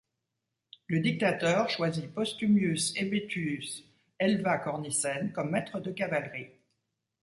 Le dictateur choisit Postumius Aebutius Helva Cornicen comme maître de cavalerie.